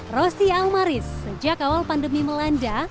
rosti almaris sejak awal pandemi melanda